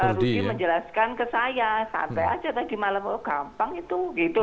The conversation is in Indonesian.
jadi menjelaskan ke saya sampai aja tadi malam oh gampang itu